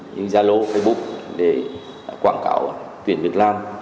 như giao lô facebook quảng cáo tuyển việt nam